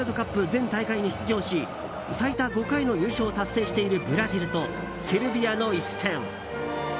全大会に出場し最多５回の優勝を達成しているブラジルとセルビアの一戦。